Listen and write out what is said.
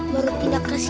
baru pindah kesini